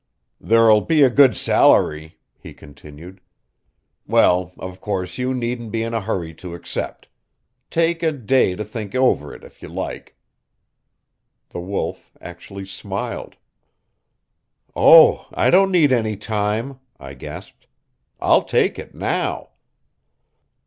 "There'll be a good salary," he continued. "Well, of course, you needn't be in a hurry to accept. Take a day to think over it if you like." The Wolf actually smiled. "Oh, I don't need any time," I gasped. "I'll take it now."